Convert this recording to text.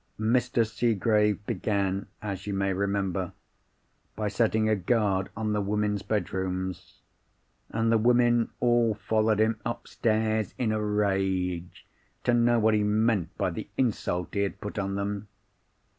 "Mr. Seegrave began, as you may remember, by setting a guard on the women's bedrooms; and the women all followed him upstairs in a rage, to know what he meant by the insult he had put on them.